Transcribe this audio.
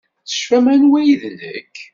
Tecfamt anwa ay d nekk?